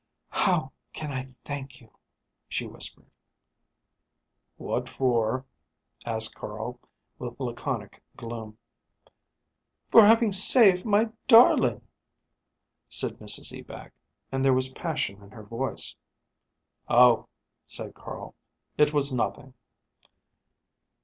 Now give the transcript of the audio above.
"How can I thank you!" she whispered. "What for?" asked Carl, with laconic gloom. "For having saved my darling!" said Mrs Ebag. And there was passion in her voice. "Oh!" said Carl. "It was nothing!"